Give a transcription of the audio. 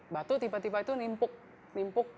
batu tiba tiba itu nimpuk nimpuk